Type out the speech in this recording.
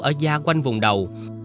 ở da quanh vùng đầu